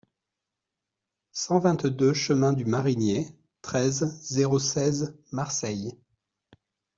cent vingt-deux chemin du Marinier, treize, zéro seize, Marseille